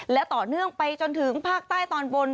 และต่อเนื่องไปจนถึงภาคใต้ตอนบน